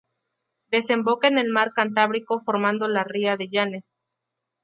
Desemboca en el mar Cantábrico formando la ría de Llanes.